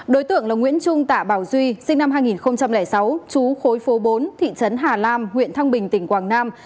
đối tượng là nguyễn trung tả bảo duy sinh năm hai nghìn sáu chú khối phố bốn thị trấn hà lam huyện thăng bình tỉnh quảng nam